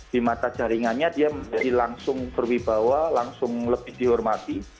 di mata jaringannya dia menjadi langsung berwibawa langsung lebih dihormati